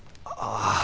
ああ。